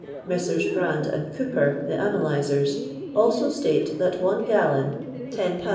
Messrs. Brande and Cooper, the analyzers, also state that one gallon (10 lbs.